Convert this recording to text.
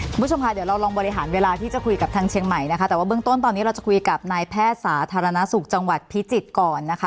คุณผู้ชมค่ะเดี๋ยวเราลองบริหารเวลาที่จะคุยกับทางเชียงใหม่นะคะแต่ว่าเบื้องต้นตอนนี้เราจะคุยกับนายแพทย์สาธารณสุขจังหวัดพิจิตรก่อนนะคะ